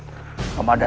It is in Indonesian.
yang lebih baik adalah